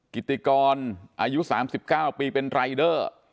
กิติกรอายุ๓๙ปีเป็นรายเดอร์